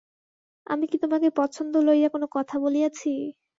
আমি কি তোমাকে পছন্দ লইয়া কোনো কথা বলিয়াছি?